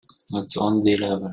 It's on the level.